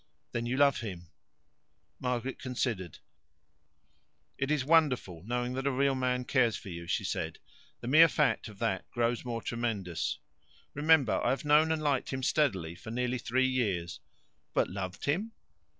"Then you love him?" Margaret considered. "It is wonderful knowing that a real man cares for you," she said. "The mere fact of that grows more tremendous. Remember, I've known and liked him steadily for nearly three years. "But loved him?"